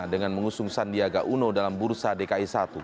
dengan mengusung sandiaga uno dalam bursa dki satu